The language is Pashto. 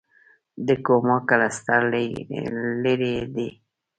د کوما کلسټر لیرې دی.